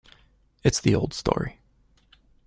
It's the old story.